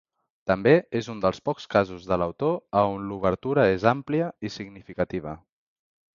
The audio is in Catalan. També és un dels pocs casos de l'autor a on l'obertura és àmplia i significativa.